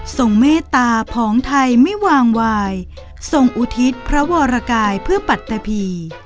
เมตตาผองไทยไม่วางวายทรงอุทิศพระวรกายเพื่อปัตตะพี